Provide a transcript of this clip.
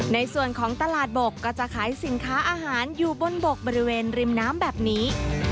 ในส่วนของตลาดบกก็จะขายสินค้าอาหารอยู่บนบกบริเวณริมน้ำแบบนี้